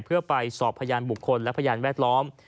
เพื่อไปสอบพยานบุคคลและพยานแวดล้อม